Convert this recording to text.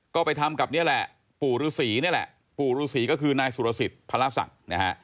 ก็ไปทำกับนี่แหละปู่ฤษีนี่แหละปู่ฤษีก็คือนายสุรสิทธิ์พระศักดิ์นะฮะ